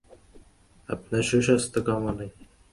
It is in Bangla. আপনার সুস্বাস্থ্য কামনায়।